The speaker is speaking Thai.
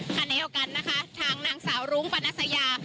คันไหนเหล่ากันนะคะทางนางสาวรุ้งฟรรณสยา